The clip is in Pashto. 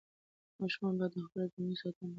ماشومان باید د خپلو جامو ساتنه وکړي.